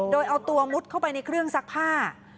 โดยเอาตัวมุดเข้าไปในเครื่องซักผ้า